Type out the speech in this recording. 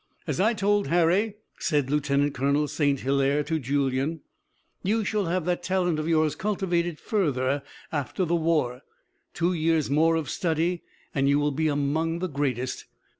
"As I told Harry," said Lieutenant Colonel St. Hilaire to Julien, "you shall have that talent of yours cultivated further after the war. Two years more of study and you will be among the greatest.